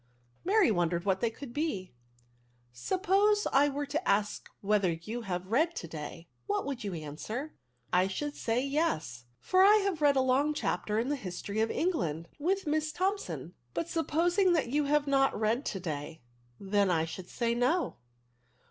Mary wondered what they could be. Suppose I were to ask you whether you have read to day, what would you answer ?'*" I should say * yes ; for I have read a long chapter in the History of England, with Miss Thompson." ^' But supposing that you had not read to day?" " Then I should say, * no.'"